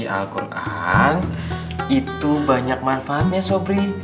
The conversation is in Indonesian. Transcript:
itu banyak manfaatnya sobri